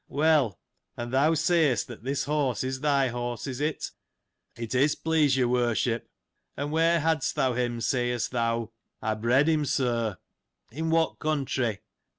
— Well : and thou say'st that this horse is thy horse — is it ? It is, please your Worship. And where hadst thou him, sayest thou ? I bred him, sir. In what country